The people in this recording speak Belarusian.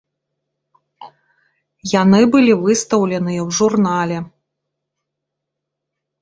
Яны былі выстаўленыя у журнале.